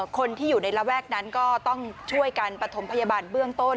คนที่อยู่ในระแวกนั้นก็ต้องช่วยกันปฐมพยาบาลเบื้องต้น